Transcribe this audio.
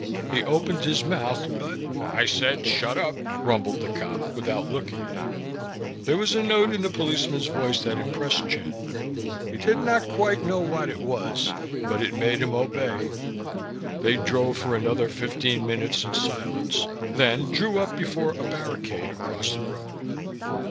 He opened his mouth, but, "I said, 'Shut up.'" rumbled the cop without looking at him. There was a note in the policeman's voice that impressed Chandler. He did not quite know what it was, but it made him obey. They drove for another fifteen minutes in silence, then drew up before a barricade across the road.